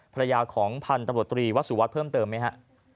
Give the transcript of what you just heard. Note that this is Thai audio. ทะเลียของพันธ์ธรรมดฤทธิ์วัสโรตรีเพิ่มเติมไหมคะ